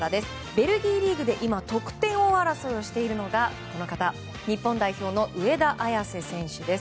ベルギーリーグで、今得点王争いをしているのが日本代表の上田綺世選手です。